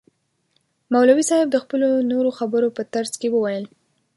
مولوی صاحب د خپلو نورو خبرو په ترڅ کي وویل.